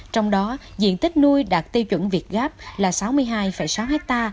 trong đó diện tích nuôi đạt tiêu chuẩn việt gáp là sáu mươi hai sáu ha